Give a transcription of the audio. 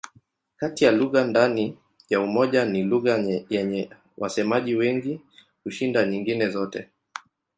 Kati ya lugha ndani ya Umoja ni lugha yenye wasemaji wengi kushinda nyingine zote.